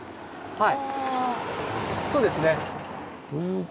はい。